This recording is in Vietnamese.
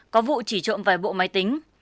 có vụ chỉ trộm vài bộ máy tính